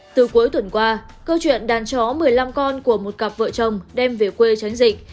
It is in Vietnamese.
từ cuối tuần qua câu chuyện đàn chó một mươi năm con của một cặp vợ chồng đem về quê tránh dịch